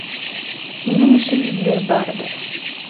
Минең өсөн инде барыбер...